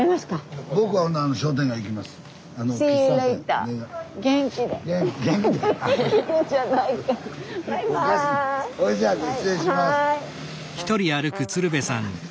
ほいじゃあ失礼します。